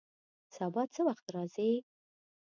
سبا څه وخت راځئ؟